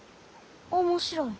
面白い？